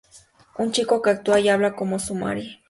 Un chico que actúa y habla como un samurái.